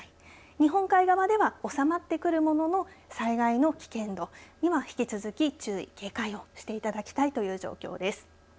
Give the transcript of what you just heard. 日本海側ではあすは収まってくるものの災害の危険度には引き続き注意、警戒をしていただきたいという状況です。